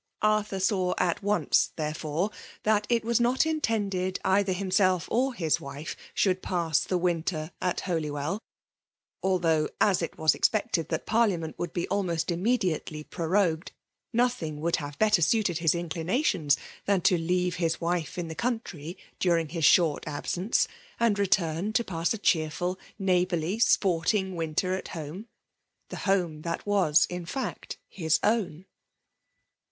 Arthur saw at once, therefore, that it was not intended cither himself or his wife should pass the winter at Holywell ; although, as it was expected that parliament would be* almost immediately prorogued, nothing would' have bettor suited his inclinations than 16 leave his wife in the country during his shbri absence, and return to pass a cheerful, neigV hourly, sporting winter, at home, — the hom'e' that was in fact his own.